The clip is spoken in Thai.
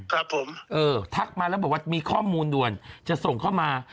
ครับผมเออทักมาแล้วบอกว่ามีข้อมูลด่วนจะส่งเข้ามา